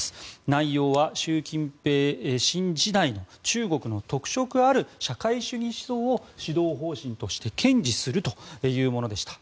内容は、習近平新時代の中国の特色ある社会主義思想を指導方針として堅持するというものでした。